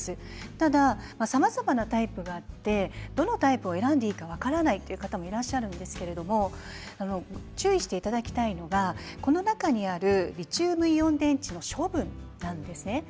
ただ、さまざまなタイプがあってどのタイプを選んでいいか分からないという方もいらっしゃるんですけれども注意していただきたいのはこの中にあるリチウムイオン電池の処分です。